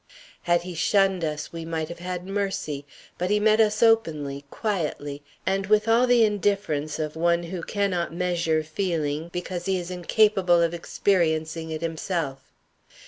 "Had he shunned us we might have had mercy, but he met us openly, quietly, and with all the indifference of one who cannot measure feeling, because he is incapable of experiencing it himself.